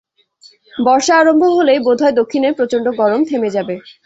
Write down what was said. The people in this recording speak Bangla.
বর্ষা আরম্ভ হলেই বোধ হয় দক্ষিণের প্রচণ্ড গরম থেমে যাবে।